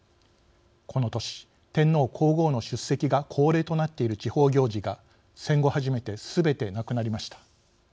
この年天皇皇后の出席が恒例となっている地方行事が戦後初めてすべてなくなりました。